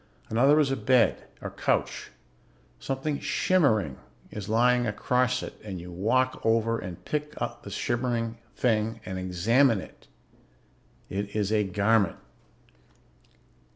Another is a bed, or couch. Something shimmering is lying across it and you walk over and pick the shimmering something up and examine it. It is a garment.